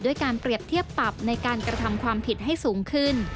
การเปรียบเทียบปรับในการกระทำความผิดให้สูงขึ้น